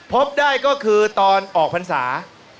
พบได้ก็คือตอนออกพรรษา